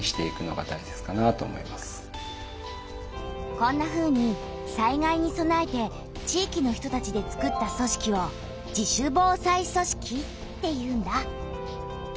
こんなふうに災害にそなえて地域の人たちで作った組織を「自主防災組織」っていうんだ。